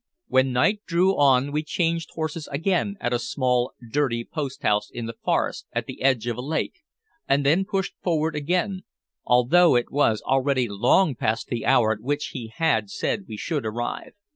When night drew on we changed horses again at a small, dirty post house in the forest, at the edge of a lake, and then pushed forward again, although it was already long past the hour at which he had said we should arrive.